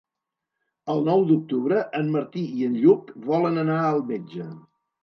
El nou d'octubre en Martí i en Lluc volen anar al metge.